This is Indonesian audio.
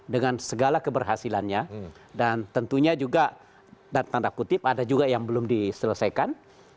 dengan segala keberhasilannya dan tentunya juga dan tanda kutip ada juga yang belum diselesaikan